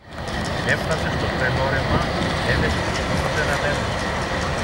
Έφθασε στο Τρελόρεμα, έδεσε το σκοινί σ' ένα δέντρο